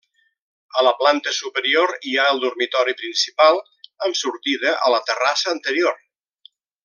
A la planta superior hi ha el dormitori principal, amb sortida a la terrassa anterior.